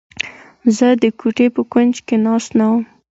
زه د کوټې په کونج کې ناست نه وم.